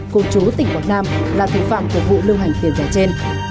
cô chú tỉnh quảng nam là thực phạm của vụ lưu hành tiền giả trên